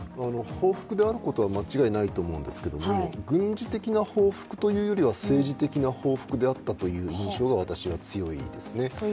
報復であることは間違いないと思うんですけども、軍事的な報復というよりは政治的な報復であったという印象が私は強いですね。